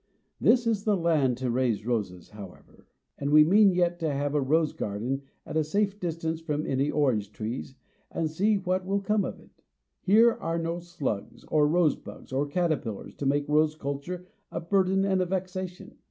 This is the land to raise roses, however; and we mean yet to have a rose garden at a safe distance from any orange trees, and see what will come of it. Here are no slugs or rose bugs or caterpillars to make rose culture a burden and a vexation.